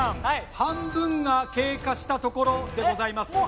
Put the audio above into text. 半分が経過したところでございます。